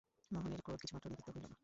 মোহনের ক্রোধ কিছুমাত্র নিবৃত্ত হইল না।